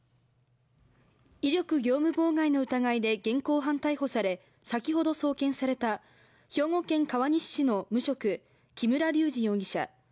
威力業務妨害の疑いで現行犯逮捕され先ほど送検された兵庫県川西市の無職、木村隆二容疑者。